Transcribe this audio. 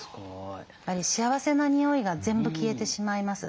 やっぱり幸せな匂いが全部消えてしまいます。